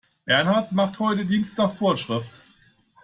Bernhard macht heute Dienst nach Vorschrift.